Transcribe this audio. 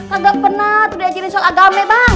kagak penat udah diajarin sholat agame bang